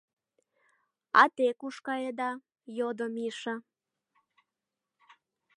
А те куш каеда? — йодо Миша.